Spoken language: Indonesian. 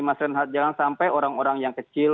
mas renhat jangan sampai orang orang yang kecil